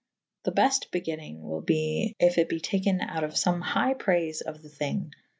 The befte begynnynge wyl be if it be taken out of fome hygh prayfe of the thynge.